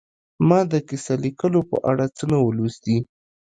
ما د کیسه لیکلو په اړه څه نه وو لوستي